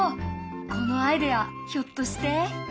このアイデアひょっとして？